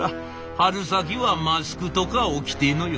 春先はマスクとか置きてえのよ。